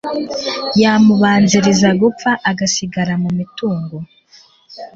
yamubanziriza gupfa agasigara mu mitungo